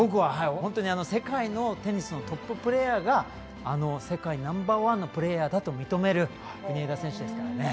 本当に世界のテニスのトッププレーヤーがあの世界ナンバーワンのプレーヤーだと認める国枝選手ですからね。